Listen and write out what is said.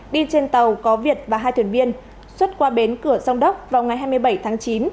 đi trên tàu có việt và hai thuyền viên xuất qua bến cửa sông đốc vào ngày hai mươi bảy tháng chín